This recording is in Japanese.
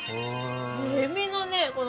えびのね